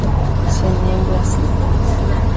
Cheñembyasy.